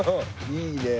いいねえ。